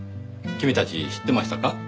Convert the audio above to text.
君たち知ってましたか？